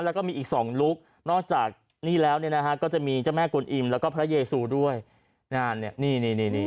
แล้วก็มีอีกสองลุคนอกจากนี่แล้วเนี่ยนะฮะก็จะมีเจ้าแม่กวนอิมแล้วก็พระเยซูด้วยนั่นเนี่ยนี่นี่นี่